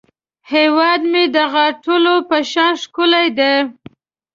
هیواد مې د غاټولو په شان ښکلی دی